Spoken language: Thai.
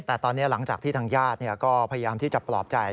แต่ตอนนี้หลังจากที่ทางญาติก็พยายามที่จะปลอบใจ